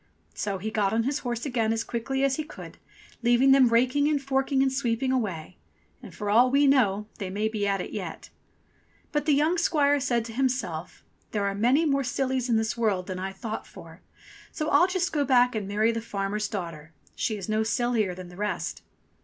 So he got on his horse again as quickly as he could, leaving them raking and forking and sweeping away ; and for all we know they may be at it yet ! But the young squire said to himself, "There are many more sillies in this world than I thought for; so I'll just go back and marry the farmer's daughter. She is no sillier than the rest."